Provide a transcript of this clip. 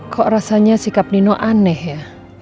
kok rasanya sikap nino aneh ya